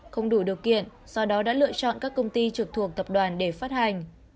không đủ điều kiện do đó đã lựa chọn các công ty trực thuộc tập đoàn để phát hành